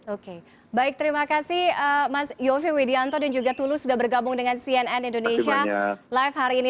oke baik terima kasih mas yofi widianto dan juga tulus sudah bergabung dengan cnn indonesia live hari ini